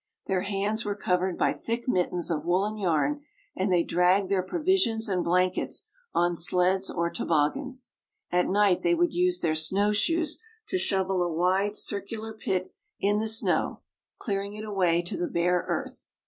Their hands were covered by thick mittens of woollen yarn, and they dragged their provisions and blankets on sleds or toboggans. At night they would use their snow shoes to shovel a wide, circular pit in the snow, clearing it away to the bare earth.